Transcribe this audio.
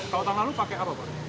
tahun lalu pakai apa